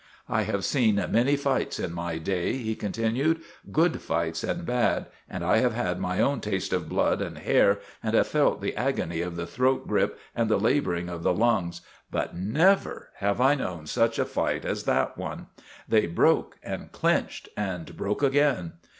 ' I have seen many fights in my day," he con tinued, " good fights and bad, and I have had my own taste of blood and hair and have felt the agony of the throat grip and the laboring of the lungs, but never have I known such a fight as that one. They broke and clinched and broke again.